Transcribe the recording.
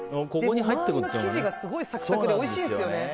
周りの生地がサクサクでおいしいんですよね。